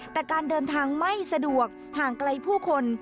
แต่การเดินทางไม่สะดวกห่างไกลผู้คน